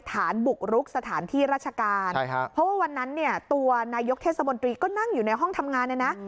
ฐานบุกรุกสถานที่ราชการเพราะว่าวันนั้นเนี่ยตัวนายกเทศมนตรีก็นั่งอยู่ในห้องทำงานเนี่ยนะ